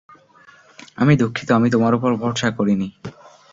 আমি দুঃখিত, আমি তোমার উপর ভরসা করিনি।